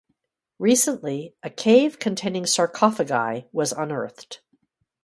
Recently, a cave containing sarcophagi was unearthed.